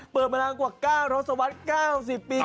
เปิดมานานกว่า๙ทศวรรษ๙๐ปี